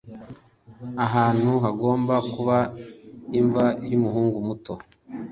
Ahantu hagomba kuba imva yumuhungu muto